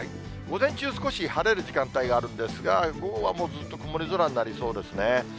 午前中、少し晴れる時間帯があるんですが、午後はもうずっと曇り空になりそうですね。